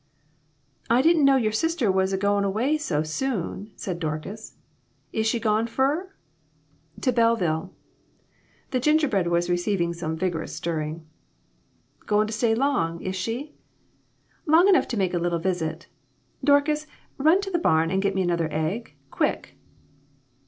"I didn't know your sister was a goin' away so soon," said Dorcas; "is she gone fur?" "To Belleville." The gingerbread was receiving some vigorous stirring. "Goin' to stay long, is she?" " Long enough to make a little visit. Dorcas, run to the barn and get me another egg, quick."